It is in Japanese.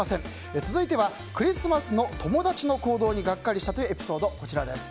続いてはクリスマスの友達の行動にガッカリしたというエピソード。